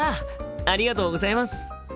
ありがとうございます。